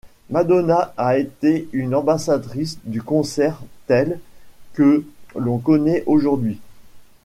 Madonna a été une ambassadrice du concert tel que l'on connaît aujourd'hui.